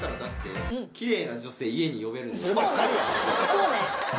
そうね。